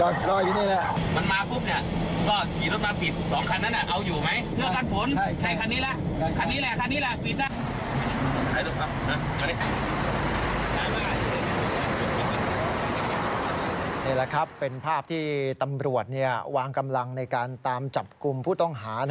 นี่แหละครับเป็นภาพที่ตำรวจวางกำลังในการตามจับกลุ่มผู้ต้องหา